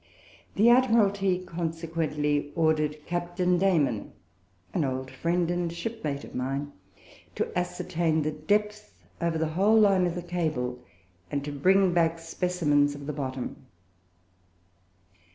The Admiralty consequently ordered Captain Dayman, an old friend and shipmate of mine, to ascertain the depth over the whole line of the cable, and to bring back specimens of the bottom.